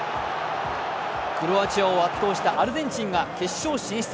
クロアチアを圧倒したアルゼンチンが決勝進出。